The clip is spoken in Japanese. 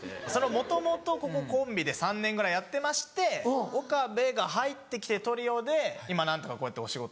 もともとここコンビで３年ぐらいやってまして岡部が入って来てトリオで今何とかこうやってお仕事。